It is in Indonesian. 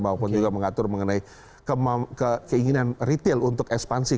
maupun juga mengatur mengenai keinginan retail untuk ekspansi